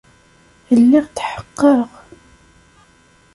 Lliɣ tḥeqqeɣ.